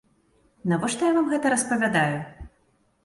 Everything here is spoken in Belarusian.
Навошта я вам гэта распавядаю?